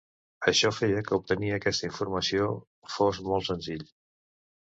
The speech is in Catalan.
Això feia que obtenir aquesta informació fos molt senzill.